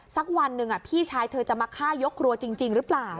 สักวันหนึ่งพี่ชายเธอจะมาฆ่ายกครัวจริงหรือเปล่า